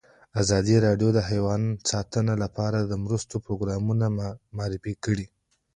ازادي راډیو د حیوان ساتنه لپاره د مرستو پروګرامونه معرفي کړي.